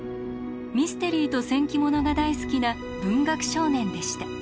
ミステリーと戦記物が大好きな文学少年でした。